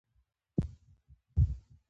زه له بېادبۍ څخه کرکه لرم.